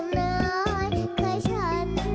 น้ำตาตกโคให้มีโชคเมียรสิเราเคยคบกันเหอะน้ำตาตกโคให้มีโชค